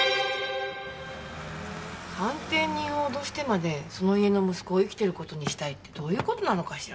鑑定人を脅してまでその家の息子を生きてる事にしたいってどういう事なのかしらね？